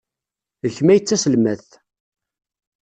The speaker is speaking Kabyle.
D kemm ay d taselmadt.